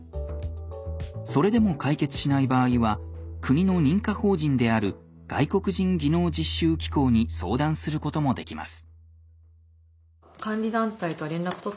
それでも解決しない場合は国の認可法人である外国人技能実習機構に相談することもできます。